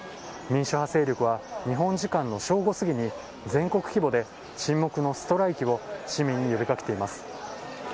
民主派勢力は、日本時間の正午過ぎに全国規模で沈黙のストライキを市民に呼びかけています。